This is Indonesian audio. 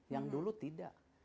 yang dulu tidak